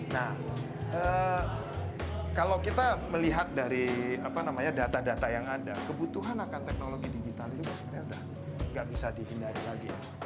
nah kalau kita melihat dari data data yang ada kebutuhan akan teknologi digital itu sebenarnya sudah nggak bisa dihindari lagi ya